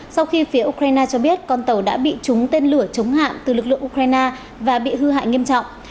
sau khi phía ukraine cho biết con tàu đã bị trúng tên lửa chống hạm từ lực lượng ukraine và bị hư hại nghiêm trọng